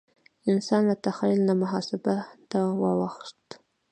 انسان له تخیل نه محاسبه ته واوښت.